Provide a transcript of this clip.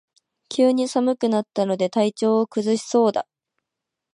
急に寒くなったので体調を崩しそうだ